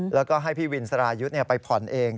แล้วก็ให้พี่วินสรายุทธ์ไปผ่อนเอง